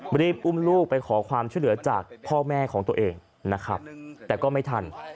รีบอุ้มลูกไปขอความช่วยเหลือจากพ่อแม่ของตัวเองนะครับแต่ก็ไม่ทัน